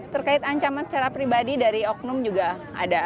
terkait ancaman secara pribadi dari oknum juga ada